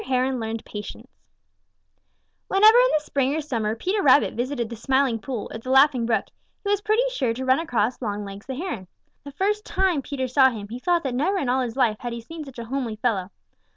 HERON LEARNED PATIENCE Whenever in the spring or summer Peter Rabbit visited the Smiling Pool or the Laughing Brook, he was pretty sure to run across Longlegs the Heron. The first tune Peter saw him, he thought that never in all his life had he seen such a homely fellow.